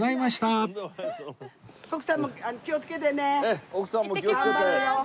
奥さんも気をつけて。